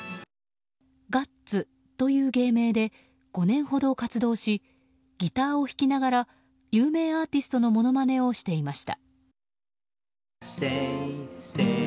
ガッツという芸名で５年ほど活動しギターを弾きながら有名アーティストのものまねをしていました。